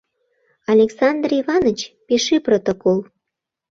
Александр Иваныч, пиши протокол...